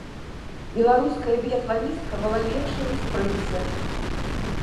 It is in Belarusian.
Беларуская біятланістка была лепшай ў спрынце.